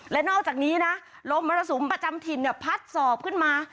และนอกจากนี้นะลมมรสุมประจำถิ่นพัดสอบขึ้นมา